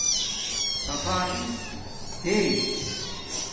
صفاݵس بیش